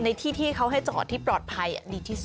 ในที่ที่เขาให้จอดที่ปลอดภัยดีที่สุด